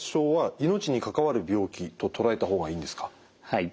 はい。